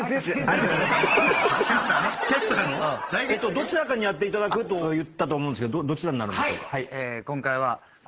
どちらかにやっていただくと言ったと思うんですけどどちらになるんでしょうか？